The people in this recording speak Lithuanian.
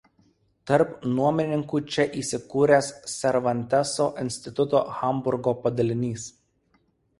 Tarp nuomininkų čia įsikūręs Servanteso instituto Hamburgo padalinys.